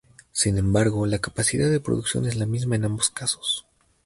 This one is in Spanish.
Sin embargo, la capacidad de producción es la misma en ambos casos.